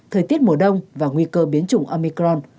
thời tiết mùa đông và nguy cơ biến chủng omicron